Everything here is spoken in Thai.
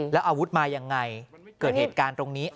แล้วอาวุธมายังไงเกิดเหตุการณ์ตรงนี้